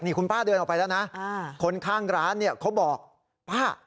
คุณป้าเดินออกไปแล้วนะคนข้างร้านเนี่ยเขาบอกป้า